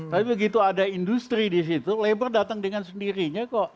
tapi begitu ada industri di situ labor datang dengan sendirinya kok